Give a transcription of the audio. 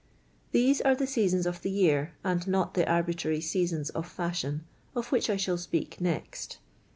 These are the seasons of the year, and not the arbitrary seasons of fashion, of which I shall spe.ik next.